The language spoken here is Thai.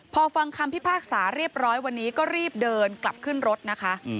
พอฟังคำพิพากษาเรียบร้อยวันนี้ก็รีบเดินกลับขึ้นรถนะคะ